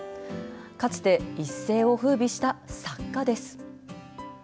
かつて一世をふうびした作家です。